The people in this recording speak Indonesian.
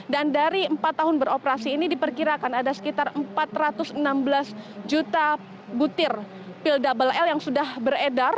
dan dari empat tahun beroperasi ini diperkirakan ada sekitar empat ratus enam belas juta butir pil double l yang sudah beredar